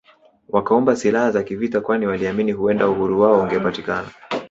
Wakaomba silaha za kivita kwani waliamini huenda uhuru wao ungepatikana